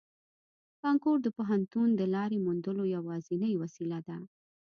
کانکور د پوهنتون د لارې موندلو یوازینۍ وسیله ده